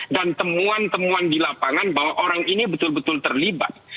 temuan temuan di lapangan bahwa orang ini betul betul terlibat